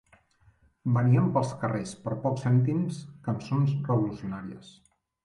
Venien pels carrers, per pocs cèntims, cançons revolucionàries